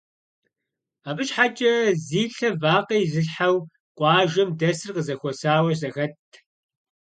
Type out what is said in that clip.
Абы щхьэкӀэ зи лъэ вакъэ изылъхьэу къуажэм дэсыр къызэхуэсауэ зэхэтт.